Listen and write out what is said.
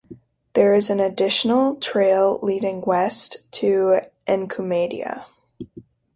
There is an additional trail leading west to Encumeada.